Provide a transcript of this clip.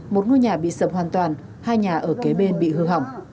một ngôi nhà bị sập hoàn toàn hai nhà ở kế bên bị hư hỏng